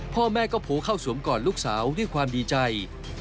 พ่อแม่ก็โผล่เข้าสวมก่อนลูกสาวด้วยความดีใจ